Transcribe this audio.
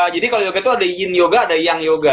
jadi kalau yoga itu ada yin yoga ada yang yoga